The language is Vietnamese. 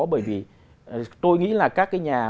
bởi vì tôi nghĩ là các cái nhà